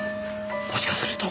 もしかすると！